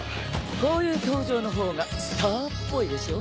こういう登場の方がスターっぽいでしょ？